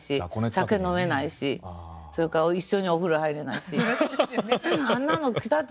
酒飲めないしそれから一緒にお風呂入れないし。